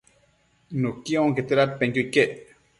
nuqui onquete dadpenquio iquec